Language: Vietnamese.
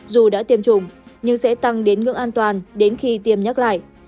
dù đã tiêm chủng nhưng sẽ tăng đến ngưỡng an toàn đến khi tiêm nhắc lại